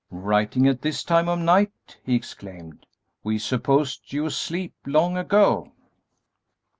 "Writing at this time of night!" he exclaimed; "we supposed you asleep long ago."